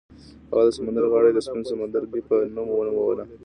هغه د سمندر غاړه یې د سپین زر سمندرګي په نوم ونوموله.